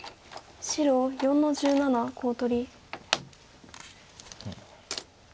白４の十七コウ取り。